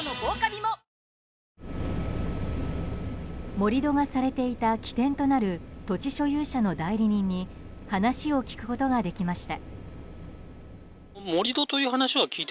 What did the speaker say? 盛り土がされていた起点となる土地所有者の代理人に話を聞くことができました。